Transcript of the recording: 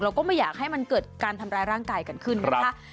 ก็ไม่อยากให้มันเกิดการทำร้ายร่างกายกันขึ้นนะคะ